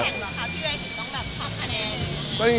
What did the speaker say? พี่เว้ยถึงต้องทำคะแนน